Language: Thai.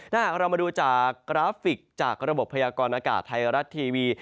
ถ้าหากเรามาดูจากกราฟิกจากระบบพยากรณากาศไทยรัฐทีวี